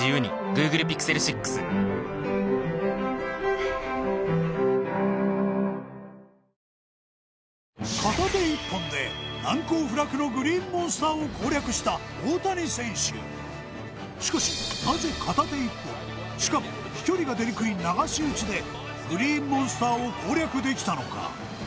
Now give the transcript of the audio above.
「ハグキプラス」片手一本で難攻不落のグリーンモンスターを攻略した大谷選手しかしなぜ片手一本しかも飛距離が出にくい流し打ちでグリーンモンスターを攻略できたのか